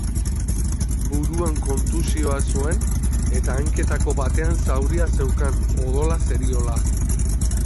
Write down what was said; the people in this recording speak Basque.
Buruan kontusioa zuen, eta hanketako batean zauria zeukan, odola zeriola.